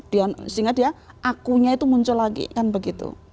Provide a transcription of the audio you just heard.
sehingga dia akunya itu muncul lagi kan begitu